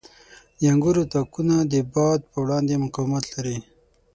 • د انګورو تاکونه د باد په وړاندې مقاومت لري.